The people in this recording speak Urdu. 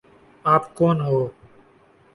آپ کون ہو؟